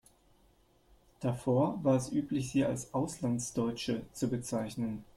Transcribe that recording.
Davor war es üblich, sie als „Auslandsdeutsche“ zu bezeichnen.